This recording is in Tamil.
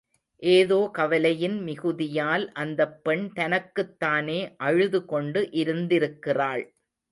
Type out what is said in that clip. ஏதோ கவலையின் மிகுதியால் அந்தப் பெண் தனக்குத்தானே அழுது கொண்டு இருந்திருக்கிறாள்.